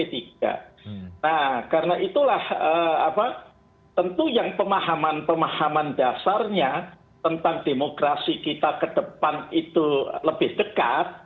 nah karena itulah tentu yang pemahaman pemahaman dasarnya tentang demokrasi kita ke depan itu lebih dekat